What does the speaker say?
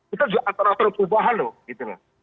itu juga aktor aktor perubahan loh